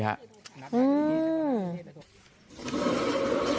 อืม